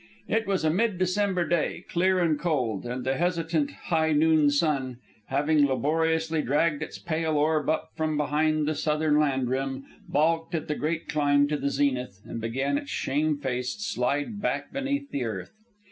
It was a mid December day, clear and cold; and the hesitant high noon sun, having laboriously dragged its pale orb up from behind the southern land rim, balked at the great climb to the zenith, and began its shamefaced slide back beneath the earth.